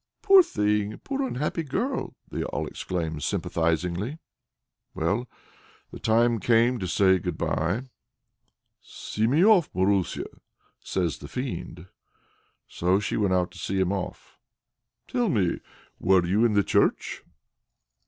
"Poor thing! Poor unhappy girl!" they all exclaim sympathizingly. Well, the time came to say good bye. "See me off, Marusia," says the Fiend. So she went out to see him off. "Tell me; were you in the church?"